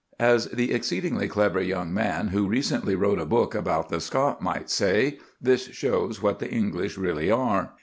As the exceedingly clever young man who recently wrote a book about the Scot might say, this shows what the English really are.